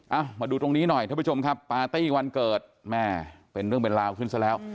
มาดูตรงนี้หน่อยท่านผู้ชมครับปาร์ตี้วันเกิดแม่เป็นเรื่องเป็นราวขึ้นซะแล้ว